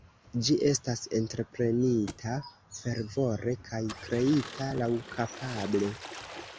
Ĝi estas entreprenita fervore kaj kreita laŭkapable.